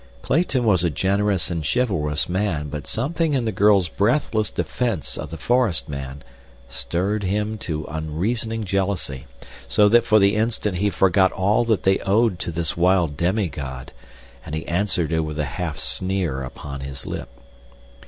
Clayton was a generous and chivalrous man, but something in the girl's breathless defense of the forest man stirred him to unreasoning jealousy, so that for the instant he forgot all that they owed to this wild demi god, and he answered her with a half sneer upon his lip.